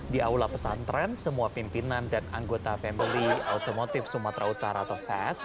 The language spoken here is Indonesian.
di aula pesantren semua pimpinan dan anggota family otomotif sumatera utara atau fest